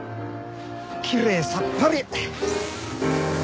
きれいさっぱり。